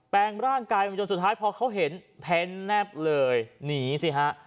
แปลงร่างกายมาจนสุดท้ายพอเขาเห็นเพ้นแนบเลยหนีสิฮะ